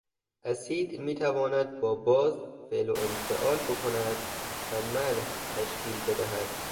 اسید میتواند با باز فعل و انفعال بکند و ملح تشکیل بدهد.